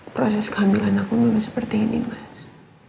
proses kehamilan aku memang seperti ini mas